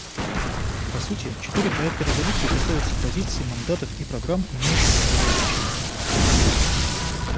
По сути, четыре проекта резолюций касаются позиций, мандатов и программ, имеющих особое значение.